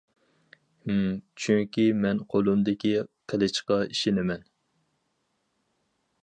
ھىم، چۈنكى مەن قولۇمدىكى قىلىچقا ئىشىنىمەن.